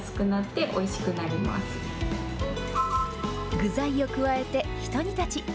具材を加えてひと煮立ち。